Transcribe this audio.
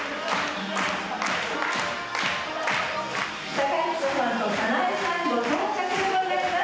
公彦さんと早苗さんご到着でございます。